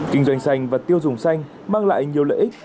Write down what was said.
kinh doanh xanh và tiêu dùng xanh mang lại nhiều lợi ích